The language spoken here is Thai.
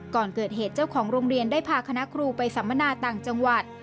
ก่อนเกิดเหตุเจ้าของโรงเรียนได้พาคณะครูไปสัมมนาต่างจังหวัด